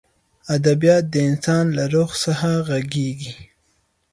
ادبیات د انسان له روح څخه غږېږي.